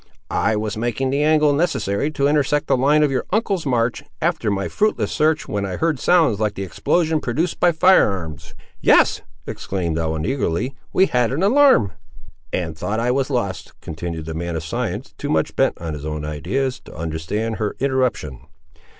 I was making the angle necessary to intersect the line of your uncle's march, after my fruitless search, when I heard sounds like the explosion produced by fire arms—" "Yes," exclaimed Ellen, eagerly, "we had an alarm—" "And thought I was lost," continued the man of science too much bent on his own ideas, to understand her interruption.